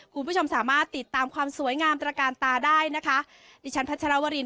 คุณผู้ชมสามารถติดตามความสวยงามตระกาลตาได้นะคะดิฉันพัชรวริน